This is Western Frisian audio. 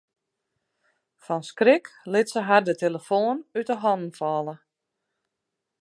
Fan skrik lit se har de telefoan út 'e hannen falle.